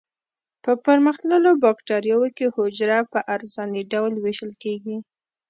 په پرمختللو بکټریاوو کې حجره په عرضاني ډول ویشل کیږي.